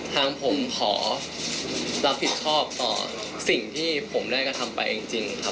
ทางผมขอรับผิดชอบต่อสิ่งที่ผมได้กระทำไปจริงครับ